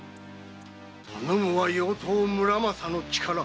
頼むは妖刀「村正」の力だ。